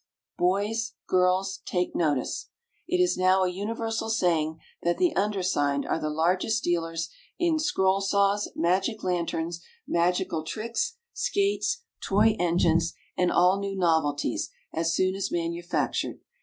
BOYS, Take Notice. GIRLS, It is now a universal saying that the undersigned are the largest dealers in Scroll Saws, Magic Lanterns, Magical Tricks, Skates, Toy Engines, and ALL NEW NOVELTIES AS SOON AS MANUFACTURED.